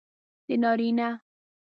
د نارینه